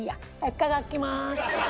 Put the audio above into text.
いただきます。